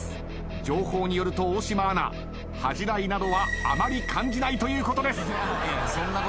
情報によると大島アナ恥じらいなどはあまり感じないということです。